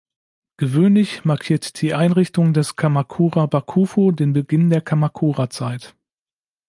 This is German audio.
Gewöhnlich markiert die Einrichtung des Kamakura-Bakufu den Beginn der Kamakura-Zeit.